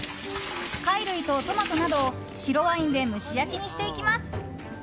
貝類とトマトなどを白ワインで蒸し焼きにしていきます。